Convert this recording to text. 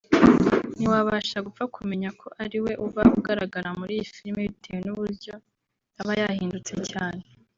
ntiwabasha gupfa kumenya ko ariwe uba ugaragara muri iyi filime bitewe n’uburyo aba yahindutse cyane